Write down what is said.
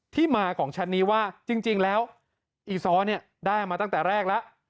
ที่มาของชั้นนี้ว่าจริงแล้วอีซ้อเนี่ยได้มาตั้งแต่แรกแล้ว